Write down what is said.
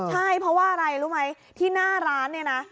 ใช่เพราะว่าอะไรรู้ไหมที่หน้าร้านเนี่ยนะ